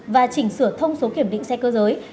và chỉnh sửa thông số kiểm định xe cơ giới